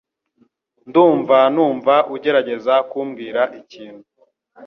Ndumva numva ugerageza kumbwira ikintu.